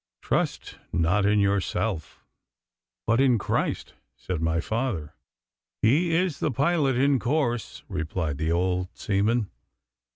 'Trust not in yourself, but in Christ,' said my father. 'He is the pilot, in course,' replied the old seaman.